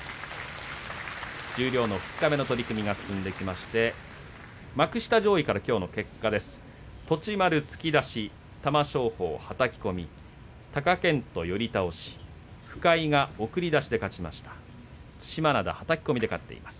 十両の二日目の取組が進んでいきまして幕下上位からきょうの結果です。